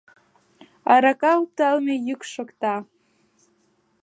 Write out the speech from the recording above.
Арака опталме йӱк шокта.